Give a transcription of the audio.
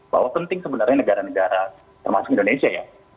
bahwa penting sebenarnya negara negara termasuk indonesia ya